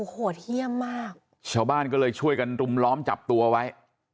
โหดเยี่ยมมากชาวบ้านก็เลยช่วยกันรุมล้อมจับตัวไว้